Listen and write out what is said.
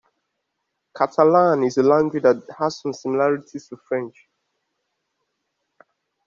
Catalan is a language that has some similarities to French.